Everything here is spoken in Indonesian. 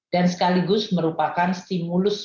dan sekaligus merupakan stimulus